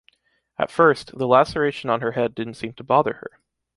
At first, the laceration on her head didn’t seem to bother her.